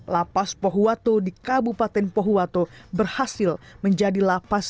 lapas pohuwato di kabupaten pohuwato berhasil menjadi lapas